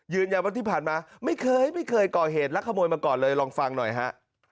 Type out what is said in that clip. ว่าที่ผ่านมาไม่เคยไม่เคยก่อเหตุและขโมยมาก่อนเลยลองฟังหน่อยฮะ